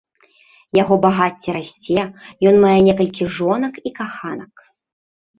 Яго багацце расце, ён мае некалькі жонак і каханак.